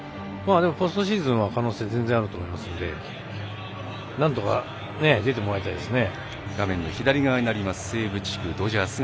ポストシーズンは可能性全然あると思うのでなんとか、出てもらいたいですね。